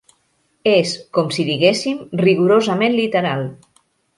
És, com si diguéssim, rigorosament literal.